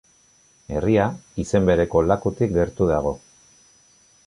Herria, izen bereko lakutik gertu dago.